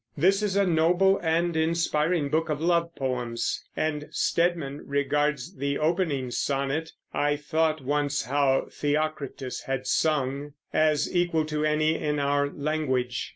This is a noble and inspiring book of love poems; and Stedman regards the opening sonnet, "I thought once how Theocritus had sung," as equal to any in our language.